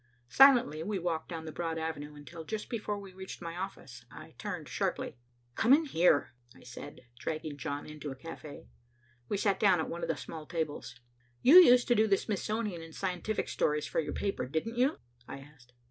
Silently we walked down the broad avenue until, just before we reached my office, I turned sharply. "Come in here," I said, dragging John into a café. We sat down at one of the small tables. "You used to do the Smithsonian and scientific stories for your paper, didn't you?" I asked.